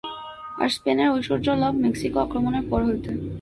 আর স্পেনের ঐশ্বর্যলাভ মেক্সিকো আক্রমণের পর হইতে।